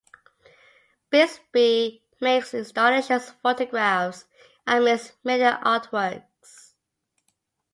Bixby makes installations, photographs and mixed media artworks.